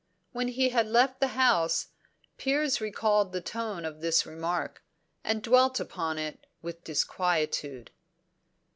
When he had left the house, Piers recalled the tone of this remark, and dwelt upon it with disquietude.